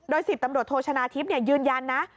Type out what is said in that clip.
๑๐ตำรวจโทชนะทิพย์ยืนยันนะ